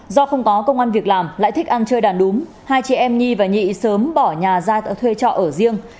do không có công an việc làm lại thích ăn chơi đàn đúng hai chị em nhi và nhị sớm bỏ nhà ra thuê trọ ở riêng